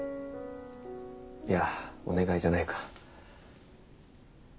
いやお願いじゃないか。